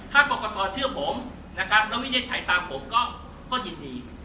ถ้ากรกตเชื่อผมนะครับแล้ววินิจฉัยตามผมก็ยินดี